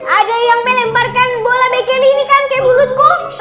ada yang melemparkan bola mekeli ini kan kayak mulutku